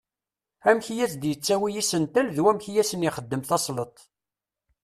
Amek i as-d-yettawi isental d wamek i asen-ixeddem tasleḍt.